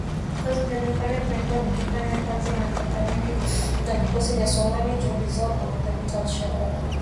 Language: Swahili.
Vikosi vya Marekani vimekuwa vikifanya kazi kwa miaka mingi na vikosi vya Somalia Katika juhudi zao za kuwadhibiti al-Shabaab.